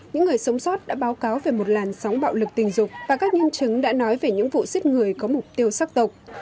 những người sống sót đã báo cáo về một làn sóng bạo lực tình dục và các nhân chứng đã nói về những vụ giết người có mục tiêu sắc tộc